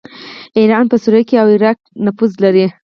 ایران په سوریه او عراق کې نفوذ لري.